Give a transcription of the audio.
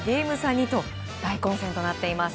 ２と大混戦となっています。